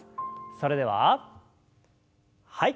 それでははい。